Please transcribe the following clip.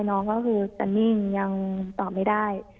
น้องก็คือจะนิ่งยังตอบไม่ได้